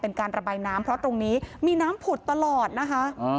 เป็นการระบายน้ำเพราะตรงนี้มีน้ำผุดตลอดนะคะ